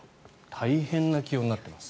大変な気温になってます。